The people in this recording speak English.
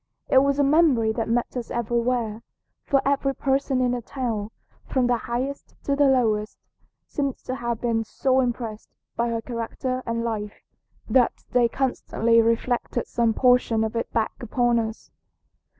It was a memory that met us everywhere, for every person in the town, from the highest to the lowest, seemed to have been so impressed by her character and life that they constantly reflected some portion of it back upon us.